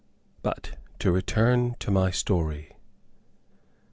But to return to my story.